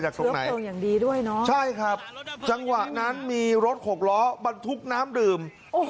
ใช่ครับจังหวะนั้นมีรถขกล้อบันทุกข์น้ำดื่ม